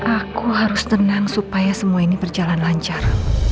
aku harus tenang supaya semua ini berjalan lancar